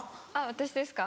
私ですか？